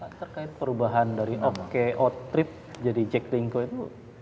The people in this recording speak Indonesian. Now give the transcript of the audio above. terkait perubahan dari ok outrip jadi jack lingko itu